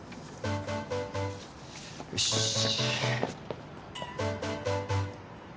よし。